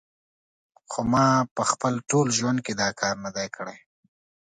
خو ما په خپل ټول ژوند کې دا کار نه دی کړی